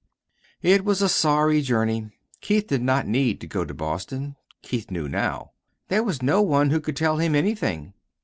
It was a sorry journey. Keith did not need to go to Boston. Keith knew now. There was no one who could tell him anything.